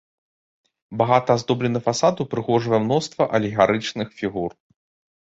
Багата аздоблены фасад упрыгожвае мноства алегарычных фігур.